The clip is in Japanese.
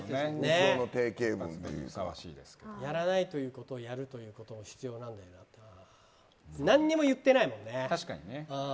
みつをの定型文というか。やらないということをやるということも必要なんだよなあって何も言ってないもんね。